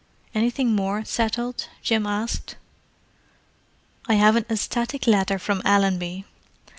"Anything more settled?" Jim asked. "I have an ecstatic letter from Allenby."